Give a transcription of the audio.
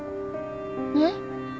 えっ？